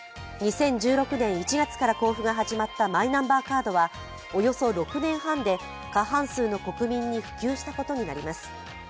２０１６年１月から交付が始まったマイナンバーカードはおよそ６年半で過半数の国民に普及したことになります。